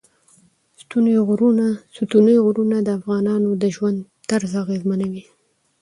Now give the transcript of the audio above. ستوني غرونه د افغانانو د ژوند طرز اغېزمنوي.